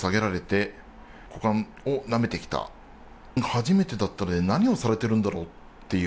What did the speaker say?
初めてだったので、何をされているんだろうって。